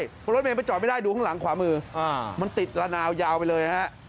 เพราะรถเมย์ไปจอดไม่ได้ดูข้างหลังขวามือมันติดละนาวยาวไปเลยฮะ